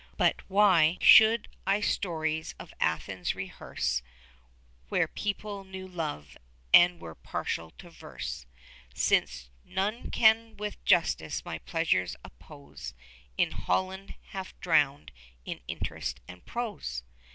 But why should I stories of Athens rehearse 15 Where people knew love, and were partial to verse, Since none can with justice my pleasures oppose In Holland half drownèd in interest and prose?